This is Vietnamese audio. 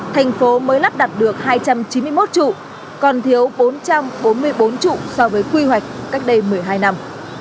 thành phố mới lắp đặt được hai trăm chín mươi một trụ còn thiếu bốn trăm bốn mươi bốn trụ so với quy hoạch cách đây một mươi hai năm